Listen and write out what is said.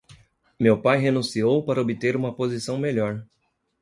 Meu pai renunciou para obter uma posição melhor.